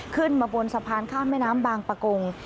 ขึ้นมาบนสะพานข้ามแม่น้ำบางปะกง